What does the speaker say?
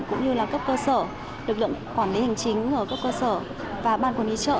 cũng như là các cơ sở lực lượng quản lý hành chính ở các cơ sở và ban quân ý trợ